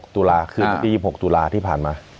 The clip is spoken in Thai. ๒๖ตุลาคืออาทิตย์๒๖ตุลาที่ผ่านมา